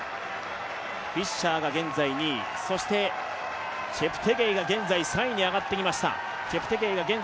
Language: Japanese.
フィッシャーが現在２位、そしてチェプテゲイが現在３位に上がってきました。